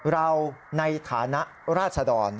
เราในฐานะราชดร